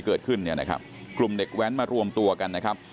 เกิดขึ้นเนี่ยนะครับกลุ่มเด็กแว้นมารวมตัวกันนะครับ